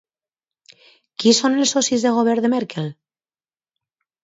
Qui són els socis de govern de Merkel?